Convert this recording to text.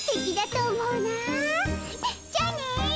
じゃあね。